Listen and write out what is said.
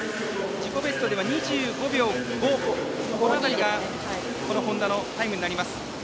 自己ベストは２５秒５この辺りが本多のタイムになります。